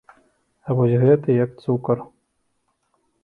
А вось гэты, як цукар!